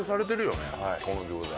この餃子。